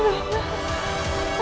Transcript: ya allah rena